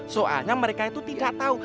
soalnya mereka itu tidak tahu